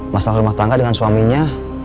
masalah rumah tangga dengan suaminya